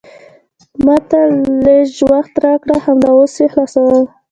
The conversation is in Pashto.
ما ته لیژ وخت راکړه، همدا اوس یې خلاصوم.